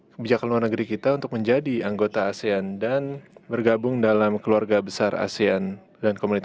kebijakan luar negeri